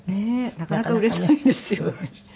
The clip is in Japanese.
なかなか売れないですよね。